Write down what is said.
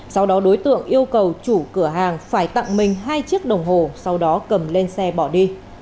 sau đó đối tượng yêu cầu chủ cửa hàng phải tặng mình hai chiếc đồng hồ sau đó cầm lên xe bỏ đi